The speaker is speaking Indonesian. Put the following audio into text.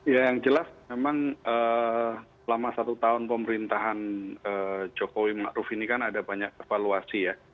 ya yang jelas memang selama satu tahun pemerintahan jokowi ⁇ maruf ⁇ ini kan ada banyak evaluasi ya